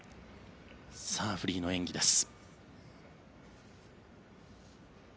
さあ、フリーの演技です。